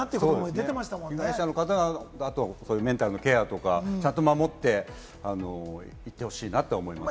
被害者の方がメンタルのケアとかちゃんと守ってほしいなと思いますね。